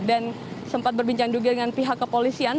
dan sempat berbincang juga dengan pihak kepolisian